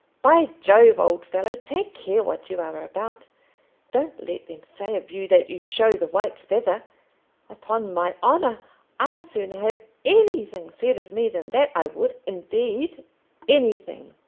"By Jove, old fellow, take care what you're about. Don't let them say of you that you show the white feather. Upon my honour, I'd sooner have anything said of me than that. I would, indeed, anything."